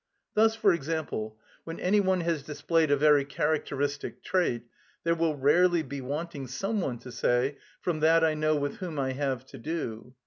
Thus, for example, when any one has displayed a very characteristic trait, there will rarely be wanting some one to say, "From that I know with whom I have to do."